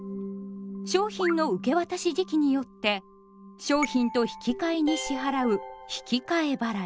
商品の受け渡し時期によって商品と引き換えに支払う「引き換え払い」。